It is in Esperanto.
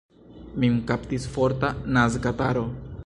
Min kaptis forta nazkataro.